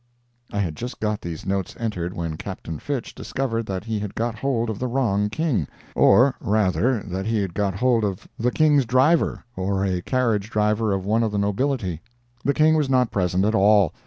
I had just got these notes entered when Captain Fitch discovered that he had got hold of the wrong King—or, rather, that he had got hold of the King's driver or a carriage driver of one of the nobility. The King was not present at all.